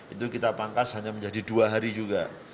itu kita pangkas hanya menjadi dua hari juga